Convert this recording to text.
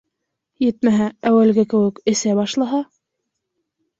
Етмәһә, әүәлге кеүек, эсә башлаһа?